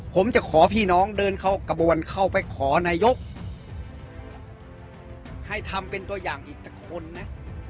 ผมจะขอพี่น้องเดินเข้ากระบวนเข้าไปขอนายกให้ทำเป็นตัวอย่างอีกสักคนนะ